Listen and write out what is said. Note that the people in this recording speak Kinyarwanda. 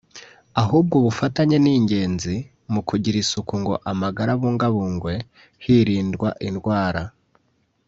ahubwo ubufatanye ni ingenzi mu kugira isuku ngo amagara abungabungwe hirindwa indwara